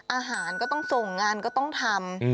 อาหารก็ต้องส่งงานก็ต้องทำ